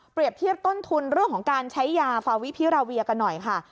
เทียบต้นทุนเรื่องของการใช้ยาฟาวิพิราเวียกันหน่อยค่ะ